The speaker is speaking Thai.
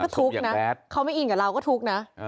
ทุกข์นะเขาไม่อิงกับเราก็ทุกข์นะ